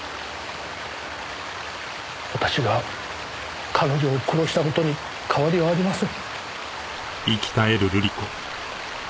私が彼女を殺した事に変わりはありません。